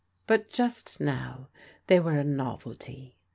But just now they were a novelty.